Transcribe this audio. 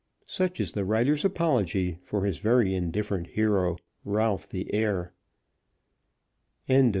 Such is the writer's apology for his very indifferent hero, Ralph the Heir. CHAPTER LVII.